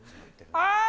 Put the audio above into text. ああ！